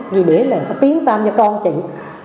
chị trả để chị lấy lại uy tín